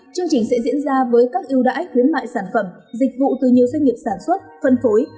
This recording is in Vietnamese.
chương trình sẽ diễn ra với các ưu đãi khuyến mại sản phẩm dịch vụ từ nhiều doanh nghiệp sản xuất phân phối